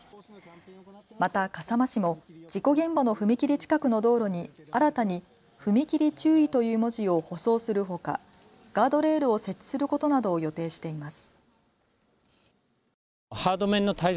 また笠間市も事故現場の踏切近くの道路に新たに踏切注意という文字を舗装するほかガードレールを設置することなどを予定しています。